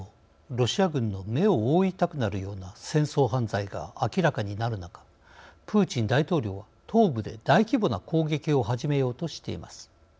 ロシア軍の目を覆いたくなるような戦争犯罪が明らかになる中プーチン大統領は東部で大規模な攻撃を始めようとしています。